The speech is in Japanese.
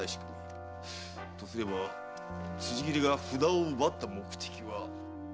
とすれば辻斬りが札を奪った目的は？